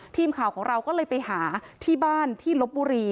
ทีมข่าวของเราก็เลยไปหาที่บ้านที่ลบบุรี